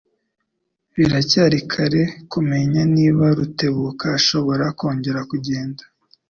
Biracyari kare kumenya niba Rutebuka azashobora kongera kugenda.